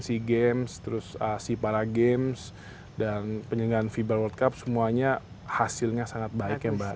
sea games terus sea para games dan penyelenggaraan fiba world cup semuanya hasilnya sangat baik ya mbak